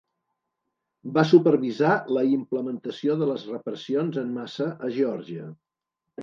Va supervisar la implementació de les repressions en massa a Geòrgia.